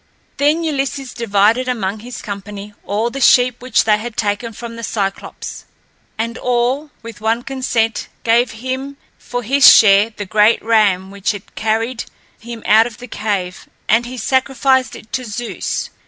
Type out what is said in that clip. Then Ulysses divided among his company all the sheep which they had taken from the Cyclops. And all, with one consent, gave him for his share the great ram which had carried him out of the cave, and he sacrificed it to Zeus.